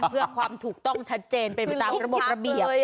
เพื่อความถูกต้องชัดเจนเป็นไปตามระบบระเบียบ